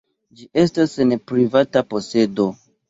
Ĝi estas en privata posedo.